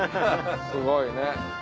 すごいね。